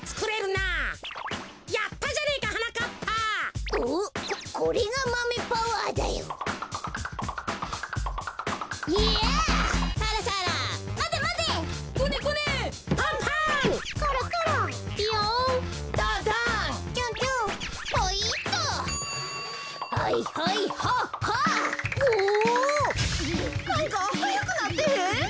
なんかはやくなってへん？